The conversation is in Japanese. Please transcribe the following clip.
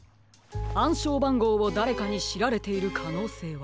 あんしょうばんごうをだれかにしられているかのうせいは？